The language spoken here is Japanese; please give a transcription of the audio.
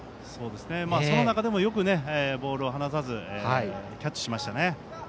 その中でもよくボールを離さずキャッチしましたね。